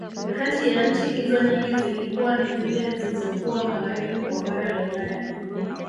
Kati ya nchi hizo nyingi zilikuwa ni zile zizokuwa Magharibi mwa bara la Ulaya